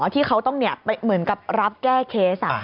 ที่เขาต้องเหมือนกับรับแก้เคส